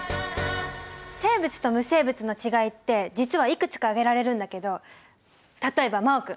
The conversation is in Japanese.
生物と無生物のちがいって実はいくつか挙げられるんだけど例えば真旺君。